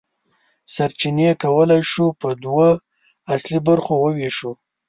سرچینې کولی شو په دوه اصلي برخو وویشو.